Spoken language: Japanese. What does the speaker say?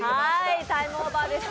タイムオーバーです。